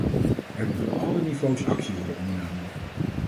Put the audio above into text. Er moet op alle niveaus actie worden ondernomen.